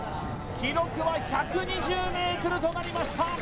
記録は１２０ｍとなりました